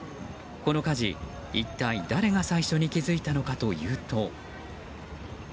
この火事、一体誰が最初に気づいたのかというと。